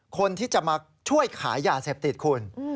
คนที่จะมาช่วยขายยาเสพติดคุณ